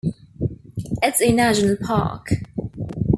It is a National Park.